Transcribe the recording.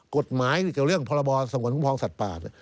กฎหมายกับเรื่องพรบสมกลคุ้มพรองสัตว์ป่า